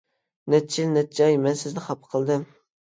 نەچچە يىل نەچچە ئاي مە سىزنى خاپا قىلدىم.